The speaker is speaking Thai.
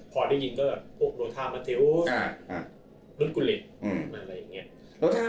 พอได้ยินก็แบบโรธ่ามัทเทฮูสรุธกุลิคอะไรอย่างนี้